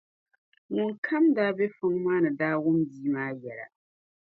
Ŋun kam daa be fɔŋ maa ni daa wum bia maa yɛla.